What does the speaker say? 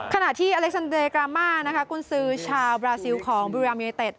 ขณะที่อเล็กซันเดย์กรามานะคะกุญสือชาวบราซิลของบุรีรัมยูเนเต็ด